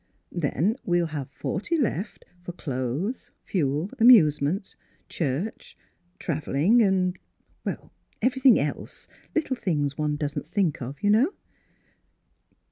" Then we'll have forty left for clothes, fuel, amusements, church, travel ling and — and everything else, little things one doesn't think of, you know."